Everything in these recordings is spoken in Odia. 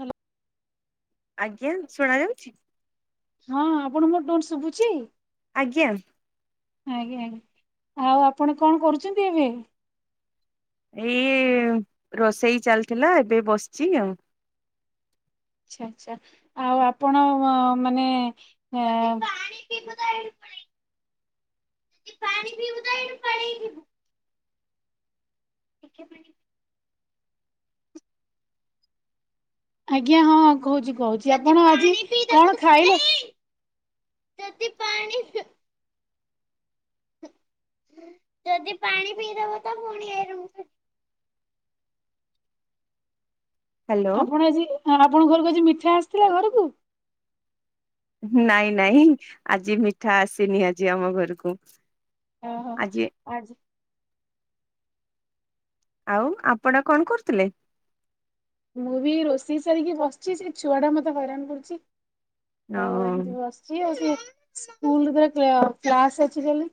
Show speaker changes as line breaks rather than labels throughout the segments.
ହାଲୋ।
ଆଜ୍ଞା ଶୁଣା ଯାଉଛି।
ହଁ ଆପଣଙ୍କୁ ମୋ ଟୋନ୍ ଶୁଭୁଛି?
ଆଜ୍ଞା।
ଆଜ୍ଞା ଆଉ ଆପଣ କଣ କରୁଚନ୍ତି ଏବେ?
ଏଇ ରୋଷେଇ ଚାଲଥିଲା ଏବେ ବସଚି ଆଉ।
ଆଚ୍ଛା ଆଚ୍ଛା। ଆଉ ଆପଣ ମାନେ ଏ କି ପାଣି ପିଇବୁ ତ ଏଇଠୁ ପାଣି ପିଇବୁ। ଟିକେ ପାଣି ଆଜ୍ଞା ହଁ କହୁଚି କହୁଚି ଆପଣ ଆଜି କଣ ଖାଇଲେ? ଯଦି ପାଣି ଯଦି ପାଣି ପିଇ ଦବ ତ ଫୁଣି ଏ [unintelligible]
ହ୍ୟାଲୋ
ଆପଣ ଆଜି ଆପଣଙ୍କ ଘରକୁ ଆଜି ମିଠା ଆସଥିଲା ଘରୁକୁ?
ନାଇଁ ନାଇଁ ଆଜି ମିଠା ଆସିନି ଆଜି ଆମ ଘରୁକୁ।
ଓ ହୋ ଆଜି
ଆଉ ଆପଣ କଣ କରୁଥିଲେ?
ମୁଁ ବି ଏଇ ରୋଷେଇ ସାରିକି ବସଚି ସେ ଛୁଆ ଟା ମତେ ହଇରାଣ କରୁଚି
ଅ
ଆଉ ଏମତି ବସ ଚି ଆଉ ସିଏ ସ୍କୁଲ ତାର କ୍ଲା-କ୍ଲାସ ଅଛି ବୋଲି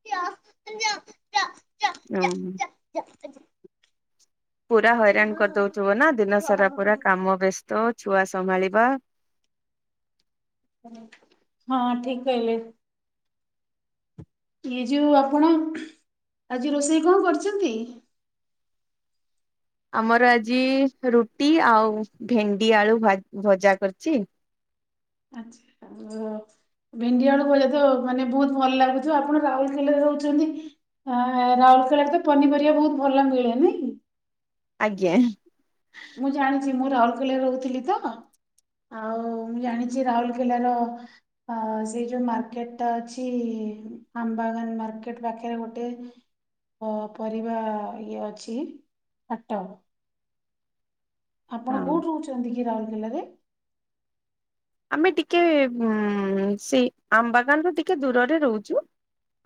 [unintelligible]
[unintelligible]
[unintelligible]
ପୁରା ହଇରାଣ କରିଦଉଥିବ ନା ଦିନ ସାରା ପୁରା କାମ ବ୍ୟସ୍ତ ଛୁଆ ସମ୍ଭାଳିବା।
ହଁ ଠିକ କହିଲେ। ଇଏ ଯୋଉ ଆପଣ ଆଜି ରୋଷେଇ କଣ କରିଛନ୍ତି?
ଆମର ଆଜି ରୁଟି ଆଉ ଭେଣ୍ଡି ଆଳୁ ଭଜା କରିଛି।
ଆଛା। ଭେଣ୍ଡି ବେଳୁକୁା ତ ମାନେ ବହୁତ ଭଲ ଲାଗୁଥିବ, ଆପଣ ରାଉରକେଲାରେ ରହୁଛନ୍ତି। ଆ ରାଉରକେଳାରେ ତ ପନିପରିବା ବହୁତ ଭଲ ମିଳେନାଇଁ?
ଆଜ୍ଞା।
ମୁଁ ଜାଣିଛି ମୁଁ ରାଉରକେଲ ରହୁଥିଲି ତ। ଆଉ ମୁଁ ଜାଣିଛି ରାଉରକେଲାର ଅ ସେଇ ଯୋଉ ମାର୍କେଟ ଟା ଅଛି ଆମ୍ବାଗାନ ମାର୍କେଟ ପାଖରେ ଗୋଟେ ପରିବା ଇଏ ଅଛି ହାଟ। ଆପଣ
ହଁ
କେଉଁଠି ରହୁଛନ୍ତି କି ରାଉରକେଲାରେ?
ଆମେ ଟିକେ ଉ ସେଇ ଆମ୍ବାଗାନରୁ ଟିକେ ଦୂରରେ ରହୁଛୁ।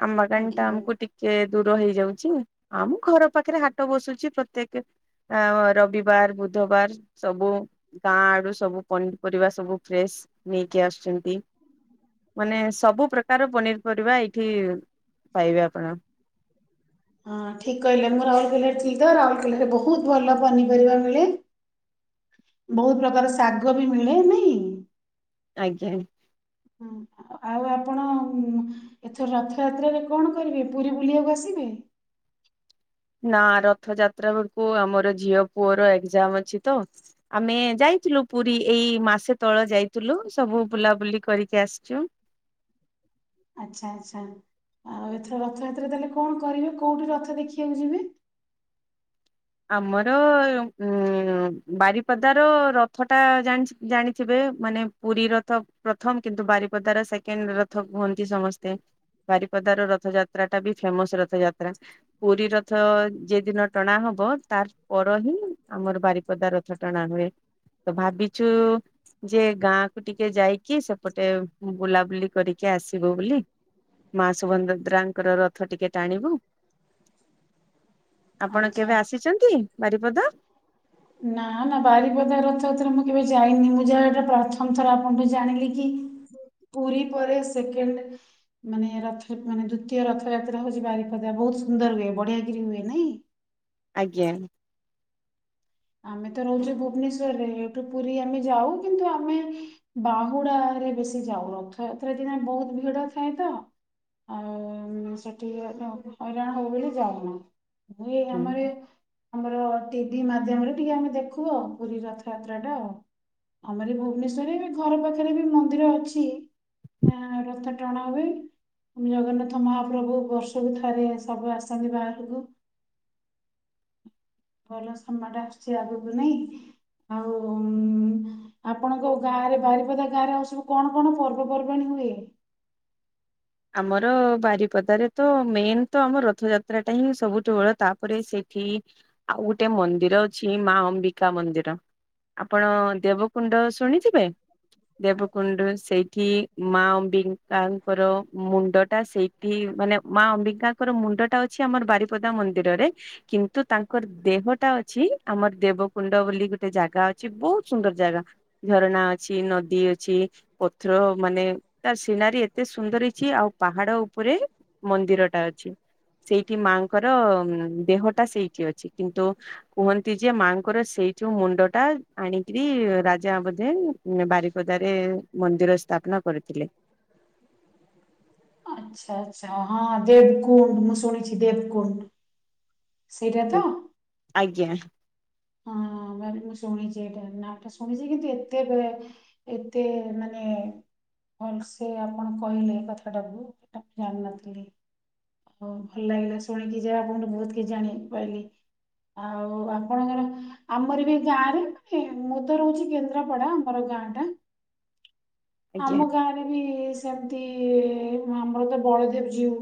ଆମ
ଆଜ୍ଞା
ଘଣ୍ଟା
ଆଜ୍ଞା
ଆମକୁୁଟିି ସେ ଦୂର ହେଇଯାଉଛି ଆଉ ମୁଁ ଘର ପାଖରେ ହାଟ ବସୁଛି ପ୍ରତି ଦିନ। ଆ ରବିବାର ବୁଧବାର ସବୁ ଗାଁ ଆଡୁ ସବୁ ପନିପରିବା ସବୁ। [unintelligible] ନେଇକି ଆସୁଛନ୍ତି। ମାନେ ସବୁ ପ୍ରକାର ପନିର ପରରିବା ଏଇଠି ପାଇବେ ଆପଣ
ହଁ ଠିକ କହିଲେ ମୁଁ ରାଉଲକେଲାରେ ଥିଲି ତ ରାଉରକେଲାରେ ବୋହୁତ ଭଲ ପନିପରିବା ମିଳେ। ବୋହୁତ ପ୍ରକାର ଶାଗ ବି ମିଳେ ନାଇଁ।
ଆଜ୍ଞା।
ହୁଁ। ଆଉ ଆପଣ ଏଥର ରଥଯାତ୍ରାରେ କଣ କରିବେ ପୁରୀ ବୁଲିବାକୁ ଆସିବେ।
ନା ରଥ ଯାତ୍ରା ବେଳକୁ ଆମର ଝିଅ ପୁଅର ଏକ୍ଜାମ ଅଛି ତ। ଆମେ ଯାଇଥିଲୁ ପୁରୀ ଏଇ ମାସେ ତଳ ଯାଇଥିଲୁ ସବୁ ବୁଲାବୁଲି କରିକି ଆସିଛୁ।
ଆଚ୍ଛା ଆଚ୍ଛା ଆଉ ଏଥର ରଥଯାତ୍ରା ତାହେଲେ କଣ କରିବେ କୋଉଠି ରଥ ଦେଖିବାକୁ ଯିବେ।
ଆମର ଉ ବାରିପଦାର ରଥ ଟା ଜାଣି ଜାଣିଥିବେ ମାନେ ପୁରୀ ରଥ ପ୍ରଥମ କିନ୍ତୁ ବାରିପଦା ର ସେକେଣ୍ଡ ରଥ ହୁହନ୍ତି ସମସ୍ତେ। ବାରିପଦାର ର ରଥଯାତ୍ରା ଟା ବି ଫେମସ ରଥଯାତ୍ରା। ପୁରୀ ରଥ ଯ ଦିନ ଟଣା ହବ ତାର ପର ହିଁ ଆମର ବାରିପଦା ରଥ ଟଣା ହୁଏ ତ ଭାବିଛୁ ଯେ ଗାଁ କ ଟିକେ ଯାଇକି ସେପଟେ ବୁଲାବୁଲି କରିକି ଆସିବୁ ବୋଲି। ମା ସୁଭଦଦ୍ରାଙ୍କର ରଥ ଟିକେ ଟାଣିବୁ।
[inaudible]
ଆପଣ
ଆଚ୍ଛା
କେବେ
ଆଚ୍ଛା
ଆସିଛନ୍ତି ବାରିପଦା?
ନା ନା ବାରିପଦା ରଥଯତରେ ମୁଁ କେବେ ଯାଇନି ମୁଁ ଯାହା ଏଟା ପ୍ରଥମ ଥର ଆପଣଠୁ ଜାଣିଲି କି ପୁରୀ ପରେ ସେକେଣ୍ଡ ମାନେ ରଥ ମାନେ ଦ୍ଵିତୀୟ ରଥଯାତ୍ରା ହଉଛି ବାରିପଦା ବହୁତ ସୁନ୍ଦର ହୁଏ ବଢିଆ କିିରି ହୁଏ ନାଇଁ।
ଆଜ୍ଞା।
ଆମେ ତ ରହୁଛେ ଭୁବନେଶ୍ଵରରେ ଏଇଠୁ ପୁରୀ ଆମେ ଯାଉ କିନ୍ତୁ ଆମେ ବାହୁଡା ରେ ବେଶି ଯାଉ ରଥଯାତ୍ରା ଦିନ ବହୁତ ଭିଡ ଥାଏ ତ। ଆଉ ସେଠିକି ହଇରାଣ ହବ ବୋଲି ଯାଉନାହି। ଏ
ହୁଁ।
ଆମର ଆମର ଟିଭି ମାଧ୍ୟମରେ ଟିକେ ଆମେ ଦେଖୁ ପୁରୀ ରଥଯାତ୍ରା ଟା ଆଉ। ଆମର ଭୁବନେଶ୍ୱର ରେ ଘର ପାଖରେ ବି ମନ୍ଦିର ଅଛି। ରଥ ଟଣା ହୁଏ। ଜଗନ୍ନାଥ ମହାପ୍ରଭୁ ବର୍ଷକୁ ଥରେ ସବୁ ଆସନ୍ତି ବାହାରକୁ। ଭଲ ସମୟଟା ଆସୁଛି ଆଗକୁ ନେଇ ଆଉ ଆପଣଙ୍କ ଗାଁରେ ବାରିପଦା ଗାଁରେ ଆଉ ସବୁ କଣ କଣ ପର୍ବପର୍ବାଣୀ ହୁଏ?
ଆମର ବାରିପଦାରେ ତ ମେନ ତ ଆମ ରଥଯାତ୍ରାଟା ହିଁ ସବୁଠୁ ବଳ ତାପରେ ସେଇଠି ଆଉ ଗୋଟେ ମନ୍ଦିର ଅଛି ମା ଅମ୍ବିକା ମନ୍ଦିର। ଆପଣ ଦେବକୁଣ୍ଡ ଶୁଣିଥିବେ? ଦେବକୁଣ୍ଡୁ ସେଇଠି ମା ଅମ୍ବଙ୍କାଙ୍କର ମୁଣ୍ଡ ଟା ସେଇଠି ମାନେ ମା ଅମ୍ବିକାଙ୍କର ମୁଣ୍ଡ ଟା ଅଛି ଆମର ବାରିପଦା ମନ୍ଦିରରେ। କିନ୍ତୁ ତାଙ୍କର ଦେହଟା ଅଛି ଆମର ଦେବକୁଣ୍ଡ ବୋଲି ଗୋଟେ ଜାଗା ଅଛି ବହୁତ ସୁନ୍ଦରଜାଗା। ଝରଣାଅଛି ନଦୀଅଛି ପଥର ମାନେ ତାର ସିନାରୀ ଏତେ ସୁନ୍ଦର ଅଛି ଆଉ ପାହାଡ ଉପରେ ମନ୍ଦିରଟା ଅଛି। ସେଇଠି ମାଙ୍କର ଦେହଟା ସେଇଠି ଅଛି, କିନ୍ତୁ କୁହନ୍ତିଯେ ମାଆଙ୍କର ସେଇଯୋଉ ମୁଣ୍ଡଟା ଆଣିକିରି ରାଜା ବୋଧେ ବାରିପଦାରେ ମନ୍ଦିର ସ୍ଥାପନା କରିଥିଲେ।
ଆଚ୍ଛା ଆଚ୍ଛା ହଁ ଦେବକୁୁଣ୍ଡୁ ମୁଁ ଶୁଣଛି ଦେବକୁୁଣ୍ଡୁ ସେଇଟାତ
ଆଜ୍ଞା।
ଆଗରୁ ମୁଁ ଶୁଣିଛି ଏଇଟା ନାଁଟା ଶୁଣିଛି କିନ୍ତୁ ଏତେ ଏତେ ମାନେ ଭଲସେ ଆପଣ କହିଲେ କଥାଟାକୁ ମୁଁ ଜାଣିିନଥିଲି। ହଉ ଭଲ ଲାଗିଲା ଶୁଣିକି ଯାହା ଆପଣଠୁ ବହୁତ କିଛି ଜାଣି ପାଇଲି ଆଉ ଆପଣଙ୍କର ଆମରବି ଯାଣିଚି ମୁଁତ ରହୁଛି କେନ୍ଦ୍ରାପଡା ଆମର ଗାଁଟା
ଆଜ୍ଞା
ଆମ ଗାଁରେବି ସେମତି ଆମରତ ବଳଦେବ ଜିଉ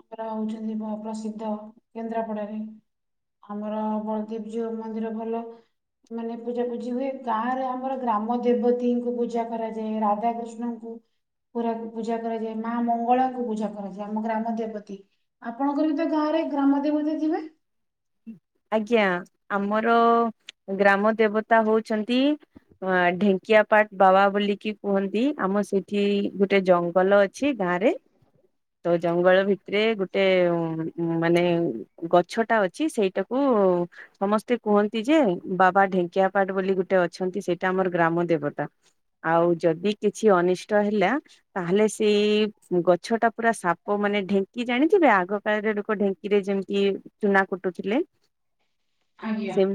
ଆମର ରହୁଛନ୍ତି ପ୍ରସିଦ୍ଧ କେନ୍ଦ୍ରାପଡାରେ ଆମର ବଳଦେବ ଜିଉମନ୍ଦିର ଭଲ। ମାନେ ପୂଜା ପୂଜି ହୁଏ ଗାଁରେ ଆମର ଗ୍ରାମ ଦେବତୀଙ୍କୁ ପୂଜା କରାଯାଏ, ରାଧାକୃଷ୍ଣଙ୍କୁ ପୁରା ପୂଜା କରାଯାଏ ମା ମଙ୍ଗଳାଙ୍କୁ ପୂଜା କରାଯାଏ ଆମ ଗ୍ରାମ ଦେବତୀ। ଆପଣଙ୍କରବି ତ ଗାଁରେ ଗ୍ରାମଦେବତୀ ଥିବେ?
ଆଜ୍ଞା ଆମର ଗ୍ରାମ ଦେବତା ହଉଛନ୍ତି ହଁ ଢେଙ୍କିଆପାଟ ବାବା ବୋଲିକି କୁହନ୍ତି ଆମ ସେଠି ଗୋଟେ ଜଙ୍ଗଲ ଅଛି। ଅଛି ଗାଁରେ ତ ଜଙ୍ଗଲ ଭିତରେ ଗୋଟେ ମାନେ ଗଛଟା ଅଛି। ଅଛି ସେଇଟାକୁ ସମସ୍ତେ କୁହନ୍ତିଯେ ବାବା ଢେଙ୍କିଆପାଟ ବୋଲି ଗୋଟେ ଅଛନ୍ତି ସେଇଟା ଆମର ଗ୍ରାମ ଦେବତା। ଆଉ ଯଦି କିଛି ଅନିଷ୍ଟ ହେଲା ତାହେଲେ ସେଇ ଗଛଟା ପୁରା ସାପ ମାନେ ଢେଙ୍କି ଜାଣିଚୁନା ଆଗ କାଳରେ ଲୋକ ଢେଙ୍କି ଢିଙ୍କିରେ ଯେମିତି ଚୁନା କୁଟୁଥିଲେ
ଆଜ୍ଞା
ସେ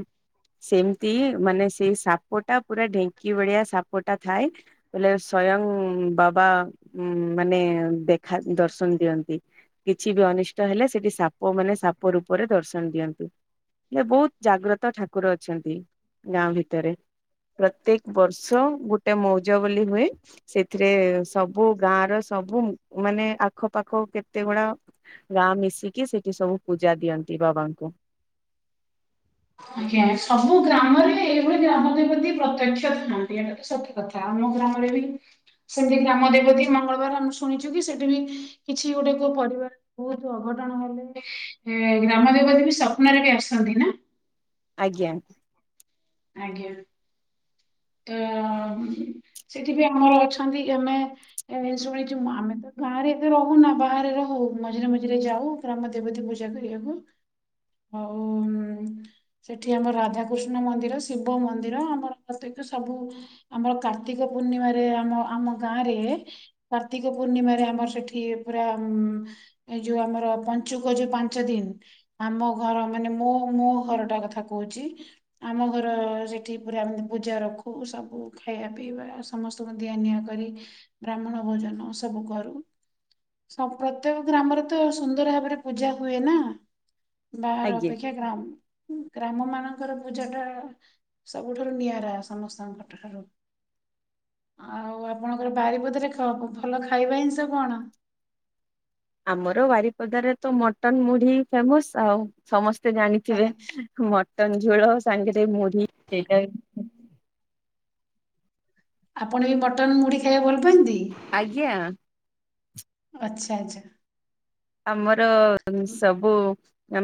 ସେମିତି ମାନେ ସେଇ ସାପଟା ପୁରା ଢେଙ୍କି ଭଳିଆ ସାପଟା ଥାଏ। ବୋଇଲେ ସ୍ଵୟଂ ବାବା ମାନେ ଦେଖା ଦର୍ଶନ ଦିଅନ୍ତି। କିଛିବି ଅନିଷ୍ଟ ହେଲେ ସେଠି ସାପ ମାନେ ସାପ ରୂପରେ ଦର୍ଶନ ଦିଅନ୍ତି। ବହୁତ ଜାଗ୍ରତ ଠାକୁର ଅଛନ୍ତି ଗାଁ ଭିତରେ। ପ୍ରତ୍ୟେକ ବର୍ଷ ଗୋଟେ ମଉଜ ବୋଲି ହୁଏ। ସେଥିରେ ସବୁ ଗାଁର ସବୁ ମାନେ ଆଖପାଖ କେତେ ଗୁଡା ଗାଁ ମିଶିକି ସେଠି ସବୁ ପୂଜା ଦିଅନ୍ତି। [unintelligible]
ଆଜ୍ଞା, ସବୁ ଗ୍ରାମରେ ଏଇଭଳି ଗ୍ରାମ ଦେବତୀ ପ୍ରତ୍ୟକ୍ଷ ଥାନ୍ତି। ଏମିତି ସବୁ କଥା ଆମ ଗ୍ରାମରେବି ସେମିତି ଗ୍ରାମଦେବତୀ ମଙ୍ଗଳବାର ଆମେ ଶୁଣିଛୁକି ସେଠିବି କିଛି ଗୋଟେ କୋ ପରିବାର ବହୁତ ଅଘଟଣ ହେଲେ ଗ୍ରାମ ଦେବତୀବି ସ୍ୱପ୍ନରେବି ଆସନ୍ତି ନା?
ଆଜ୍ଞା।
ଆଜ୍ଞା। ତ ସେଠିବି ଆମର ଅଛନ୍ତି ଜନେ ଏଣେ ଶୁଣିଛୁ ଆମେତ ଗାଁରେ ଏତେରହୁନା ବାହାରେ ରହୁ ମଝିରେ ମଝିରେ ଯାଉ ଗ୍ରାମଦେବତୀ ପୂଜା କରିବାକୁ। ଆଉ ସେଠି ଆମର ରାଧାକୃଷ୍ଣ ମନ୍ଦିର ଶିବମନ୍ଦିର ଆମର ପ୍ରତ୍ୟକ ସବୁ ଆମର କାର୍ତ୍ତିକ ପୂର୍ଣ୍ଣିମାରେ ଆମ ଆମ ଗାଁରେ କାର୍ତ୍ତିକ ପୂର୍ଣ୍ଣିମାରେ ଆମର ସେଠି ପୁରା ଉ ଏଇ ଯୋଉ ଆମର ପଞ୍ଚୁକ ଯୋଉ ପାଞ୍ଚ ଦିନ ଆମ ଘର ମାନେ ମୋ ମୋ ଘର ଟା କଥା କହୁଛି ଆମ ଘୋର ସେଇଠି ପୁରା ଏମିତି ପୂଜା ରଖୁ ସବୁ ଖାଇବା ପିଇବା ସମସ୍ତଙ୍କୁ ଦିଆ ନିିଆଁ କରି ବ୍ରାହ୍ମଣ ଭୋଜନ ସବୁ କରୁ। ପ୍ରତ୍ୟେକ ଗ୍ରାମରେ ତ ସୁନ୍ଦର ଭାବରେ ପୂଜା ହୁଏ ନା ବାହାର
ଆଜ୍ଞା।
ଅପେକ୍ଷା ଗ୍ରାମ ଗ୍ରାମ ମାନଙ୍କର ପୂଜା ଟା ସବୁଠାରୁ ନିଆରା ସମସ୍ତଙ୍କ ଠାରୁ। ଆଉ ଆପଣଙ୍କର ବାରିପଦରେ ଭଲ ଖାଇବା ଜିନିଷ କଣ?
ଆମର ବାରିପଦାରେ ତ ମଟନ୍ ମୁଢି ଫେମସ ଆଉ ସମସ୍ତ ତେ ଜାଣିଥିବେ ମଟନ ଝୋଳ ସାଙ୍ଗରେ ମୁଢି
ଆପଣ ବି ମଟନ୍ ମୁଢ଼ି ଖାଇବାକୁ ଭଲ ପାଆନ୍ତି?
ଆଜ୍ଞା।
ଆଚ୍ଛା ଆଚ୍ଛା
ଆମର
ଉଁ,
ସବୁ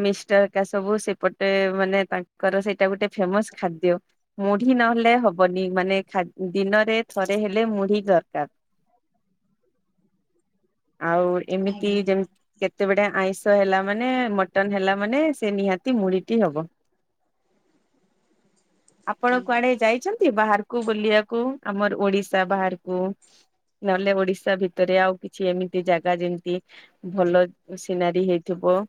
ମିଷ୍ଟ କା ସବୁ ସେପଟେ ମାନେ ତାଙ୍କର ସେଇଟା ଗୋଟେ ଫେମସ ଖାଦ୍ୟ। ମୁଢି ନହେଲେ ହବନି ମାନୋ ଦିନରେ ଥରେ ହେଲେ ମୁଢି ଦରକାର। ଆଉ ଏମିତି
ଆଜ୍ଞା
ଯେମିତି କେତେବେଡେ ଆଇଁଷ ହେଲା ମାନେ ମଟନ ହେଲା ମାନେ ସେ ନିହାତି ମୁଢିଟି ହବ। ଆପଣ
ଆଜ୍ଞା।
କୁଆଡେ ଯାଇଛନ୍ତି ବାହାରକୁ ବୁଲିବାକୁ ଆମର ଓଡିଶା ବାହାରକୁ? ନହେଲେ ଓଡିଶା ଭିତରେ ଆଉ କିଛି ଏମିତି ଜାଗା ଯେମିତି ଭଲ ସିନାରୀ ହେଇଥିବ।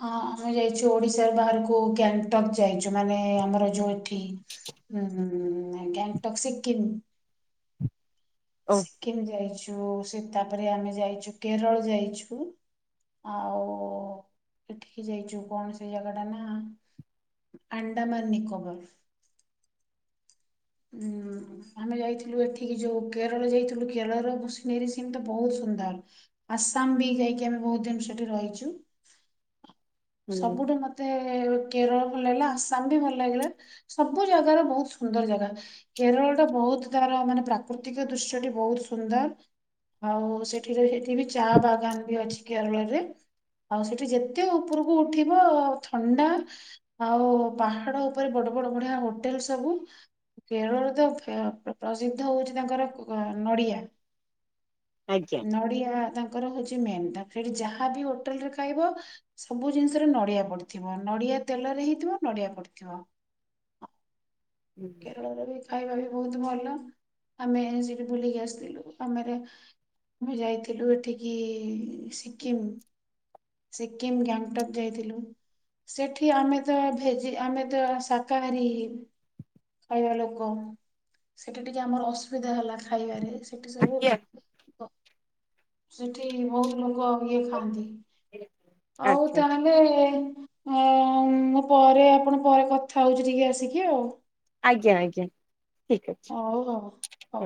ହଁ ଆମେ ଯାଇଛୁ ଓଡିଶାର ବାହାରକୁ ଗ୍ୟାଙ୍ଗଟକ୍ ଯାଇଛୁ ମାନେ ଆମର ଯୋଉ ଏଠି ଁ ଗଙ୍ଗଟକ୍ ସିକକିମ୍।
ଓ
ସିକିମ ଯାଇଛୁ ସେ ତାପରେ ଆମେ ଯାଇଛୁ କେରଳ ଯାଇଛୁ। ଆଉ ଏଠିକି ଯାଇଚୁ କଣ ସେଇ ଜାଗାଟା ନା ଆଣ୍ଡାମାନୀ ନିକୋବର। ହୁଁ। ଆମେ ଯାଇଥିଲୁ ଏଠିକି ଯୋଉ କେରଳ ଯାଇଥିଲୁ କେରଳର ସନେର ସେମିତି ବହୁତ୍ ସୁନ୍ଦର। ଆସାମବି ଯାଇକି ଆମେ ବହୁତ୍ ଦିନ ସେଠି ରହିଚୁ
ହୁଁ
ସବୁଠୁ ମତେ ମତେ କେରଳ ଭଲ ଲାଗିଲା ଆସାମବି ଭଲ ଲାଗିଲା ସବୁ ଜାଗାର ବହୁତ୍ ସୁନ୍ଦର ଜାଗା। କେରଳଟା ବହୁତ୍ ତାର ମାନେ ପ୍ରାକୃତିକ ଦୃଶ୍ୟଟି ବହୁତ୍ ସୁନ୍ଦର। ଆଉ ସେଠିରେ ସେଠବି ଚା ବାଗାନ୍ତିବି ଅଛି କେରଳରେ ଆଉ ସେଠି ଯେତେ ଉପରକୁ ଉଠିବ ଥଣ୍ଡା ଆଉ ପାହାଡ଼ ଉପରେ ବଡ଼ ବଡ଼ ବଢ଼ିଆ ହୋଟେଲ୍ ସବୁ କେରଳରତ ପ୍ରସିଦ୍ଧ ହଉଚି ତାଙ୍କର ନଡ଼ିଆ।
ଆଜ୍ଞା।
ନଡ଼ିଆ ତାଙ୍କର ହଉଚି ମେନ୍ ତାପରେ ହେଟି ଯାହାବି ହୋଟେଲରେ ଖାଇବ ସବୁ ଜିନିଷରେ ନଡ଼ିଆ ପଡ଼ିଥିବ ନଡ଼ିଆ ତେଲରେ ହେଇଥିବ ନଡ଼ିଆ ପଡ଼ିଥିବ।
ହୁଁ।
କେରଳରେବି ଖାଇବାବି ବହୁତ୍ ଭଲ ଆମେ ସେଠି ବୁଲିକି ଆସିଥିଲୁ ଆମର ଆମେ ଯାଇଥିଲୁ ଏଠିକି ସିକିମ୍। ସିକିମ୍ ଗ୍ୟାଙ୍ଗଟକ୍ ଯାଇଥିଲୁ। ସେଠି ଆମେତ ଭେଜି ଆମେତ ଶାକାହାରୀ ଖାଇବା ଲୋକ ସେଠି ଟିକେ ଆମର ଅସୁବିଧା ହେଲା ଖାଇବାରେ ସେଠି ସବୁ
ଆଜ୍ଞା
ସେଠି ବହୁତ୍ ଲୋକ ଇଏ ଖାଆନ୍ତି ଆଉ
ଆଚ୍ଛା ଆଚ୍ଛା
ତାହଲେ ଏବେ ଏ ମୁପରେ ଆପଣ ପରେ କଥା ହଉଚି ଟିକେ ଆସିକି ଆଉ।
ଆଜ୍ଞା ଆଜ୍ଞା ଠିକ୍ ଅଛି।
ହଉ ହଉ ହଉ।
ହଁ।